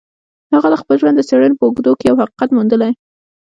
هغه د خپل ژوند د څېړنو په اوږدو کې يو حقيقت موندلی.